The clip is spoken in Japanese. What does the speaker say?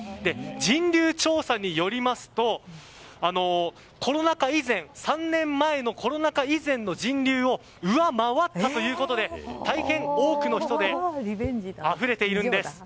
人流調査によりますと３年前のコロナ禍以前の人流を上回ったということで大変、多くの人であふれているんです。